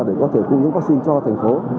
để có thể cung những vaccine cho thành phố